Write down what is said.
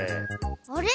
あれ？